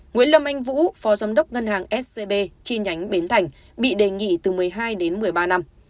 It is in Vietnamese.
nguyễn lâm anh vũ phó giám đốc ngân hàng scb chi nhánh bến thành bị đề nghị từ một mươi hai đến một mươi ba năm